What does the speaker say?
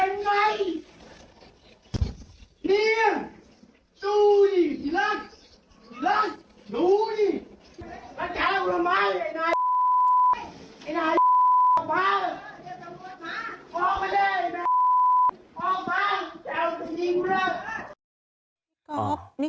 อยู่ยังไงอะอยู่ทางเดียกเมื่อบ้านคุณลุกพี่